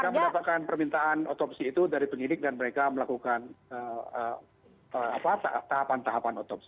mereka mendapatkan permintaan otopsi itu dari penyidik dan mereka melakukan tahapan tahapan otopsi